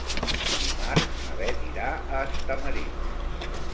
Dimarts na Bet irà a Estamariu.